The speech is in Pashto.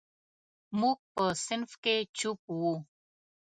موږ په صنف کې چپ وو.